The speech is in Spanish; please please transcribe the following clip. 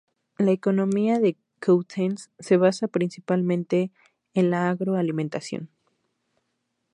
La economía de Coutances se basa, principalmente, en la agro-alimentación.